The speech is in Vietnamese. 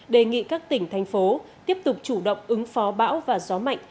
đề nghị các tỉnh thành phố tiếp tục chủ động ứng phó bão và gió mạnh